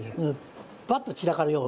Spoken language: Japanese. パッと散らかるよう。